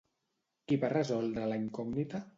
Qui va resoldre la incògnita?